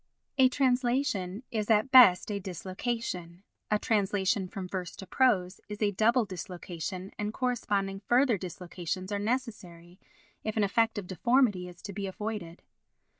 A translation is at best a dislocation, a translation from verse to prose is a double dislocation and corresponding further dislocations are necessary if an effect of deformity is to be avoided.